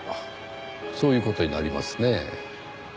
そういう事になりますねぇ。